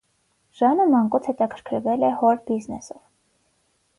Ժանը մանկուց հետաքրքրվել է հոր բիզնեսով։